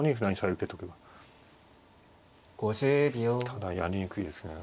ただやりにくいですね。